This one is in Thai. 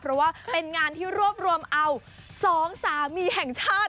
เพราะว่าเป็นงานที่รวบรวมเอา๒สามีแห่งชาติ